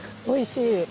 おいしい！